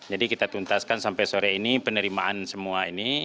jadi kita tuntaskan sampai sore ini penerimaan semua ini